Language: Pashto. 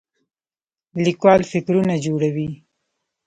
لیکوال فکرونه جوړوي